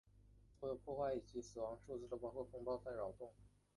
所有破坏及死亡数字都包括风暴在扰动及温带气旋阶段时的资料。